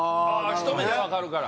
ひと目でわかるから。